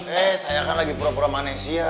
eh saya kan lagi pura pura manusia